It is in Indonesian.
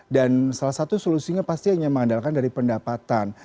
dan salah satu solusinya pasti hanya mengandalkan dari pendapatan